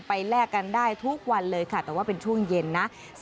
แลกกันได้ทุกวันเลยค่ะแต่ว่าเป็นช่วงเย็นนะ